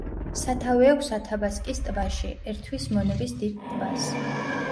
სათავე აქვს ათაბასკის ტბაში, ერთვის მონების დიდ ტბას.